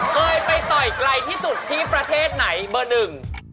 เคยไปต่อยไกลที่สุดที่ประเทศไหนเบอร์หนึ่ง